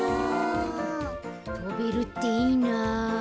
とべるっていいな。